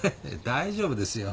大丈夫ですよ